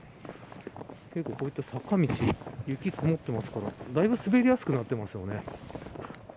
こういった坂道雪、積もってますからだいぶ滑りやすくなってますよね。